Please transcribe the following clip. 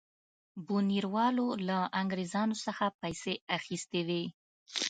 بونیروالو له انګرېزانو څخه پیسې اخیستې وې.